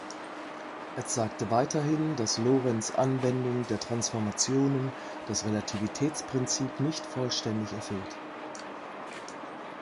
Er zeigte weiterhin, dass Lorentz' Anwendung der Transformationen das Relativitätsprinzip nicht vollständig erfüllt.